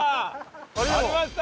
ありました！